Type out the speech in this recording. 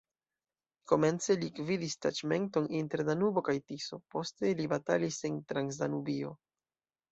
Komence li gvidis taĉmenton inter Danubo kaj Tiso, poste li batalis en Transdanubio.